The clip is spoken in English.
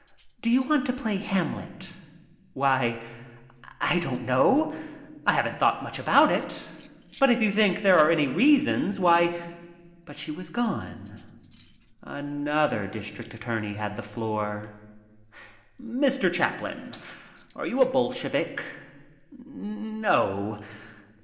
"Do you want to play Hamlet?" "Why, I don't know. I haven't thought much about it, but if you think there are any reasons why —" But she was gone. Another district attorney had the floor. "Mr. Chaplin, are you a Bolshevik?" "No."